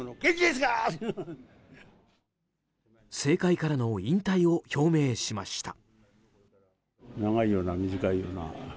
政界からの引退を表明しました。